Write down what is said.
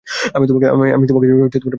আমি তোমাকে ছাড়িয়ে নিচ্ছি!